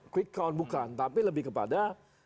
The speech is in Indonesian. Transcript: quick count bukan tapi lebih kepada